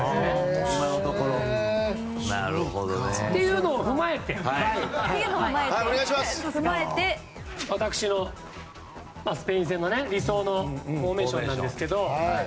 今のところ。というのを踏まえて私のスペイン戦の、理想のフォーメーションなんですけど。